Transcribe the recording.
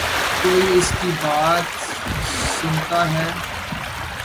کوئی اس کی بات سنتا ہے۔